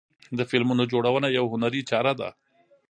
د فلمونو جوړونه یوه هنري چاره ده.